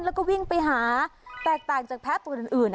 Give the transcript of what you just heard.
แล้วก็วิ่งไปหาแตกต่างจากแพ้ตัวอื่น